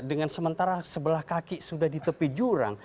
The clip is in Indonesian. dengan sementara sebelah kaki sudah di tepi jurang